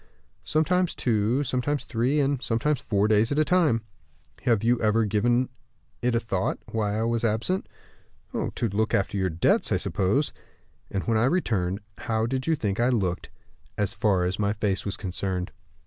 "Sometimes two, sometimes three, and sometimes four days at a time." "Have you ever given it a thought, why I was absent?" "To look after your debts, I suppose." "And when I returned, how did you think I looked, as far as my face was concerned?"